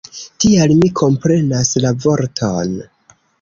Tial, mi komprenas la vorton.